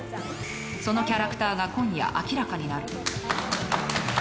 そのキャラクターが今夜明らかになる。